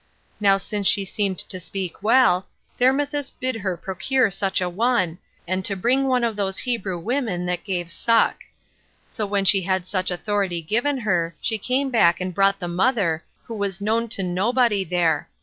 Now since she seemed to speak well, Thermuthis bid her procure such a one, and to bring one of those Hebrew women that gave suck. So when she had such authority given her, she came back and brought the mother, who was known to nobody there.